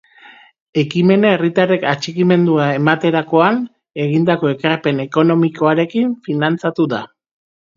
Ekimena herritarrek atxikimendua ematerakoan egindako ekarpen ekonomikoarekin finantzatu da.